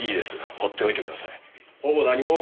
放っておいてください。